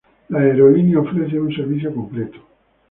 La aerolínea ofrece un servicio completo.